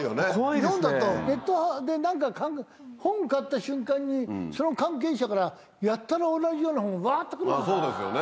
日本だと、ネットで本買った瞬間に、その関係者から、やったら同じような本、わーっとくるんだよね。